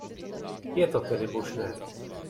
Je to tedy možné.